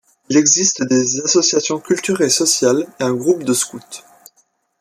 Il existe des associations cultures et sociales et un groupe de scout.